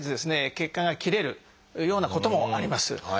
血管が切れるようなこともあります。